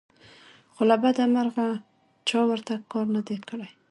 خو له بدمرغه چا ورته کار نه دى کړى